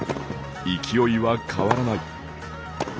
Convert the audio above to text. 勢いは変わらない。